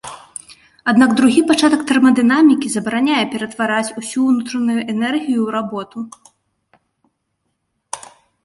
Аднак другі пачатак тэрмадынамікі забараняе ператвараць усю ўнутраную энергію ў работу.